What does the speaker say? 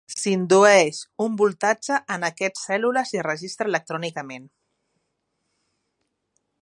S'indueix un voltatge en aquests cèl·lules i es registra electrònicament.